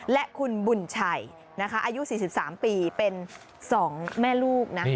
และคุณบุญชัยนะคะอายุ๔๓ปีเป็น๒แม่ลูกนะ